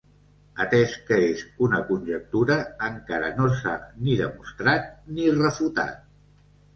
Atès que és una conjectura, encara no s'ha ni demostrat ni refutat.